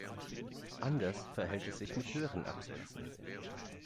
Anders verhält es sich mit höheren Absätzen.